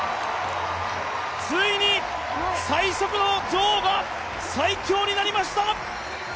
ついに、最速の女王が最強になりました！